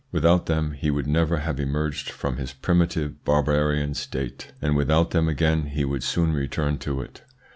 Without them he would never have emerged from his primitive barbarian state, and without them again he would soon return to it.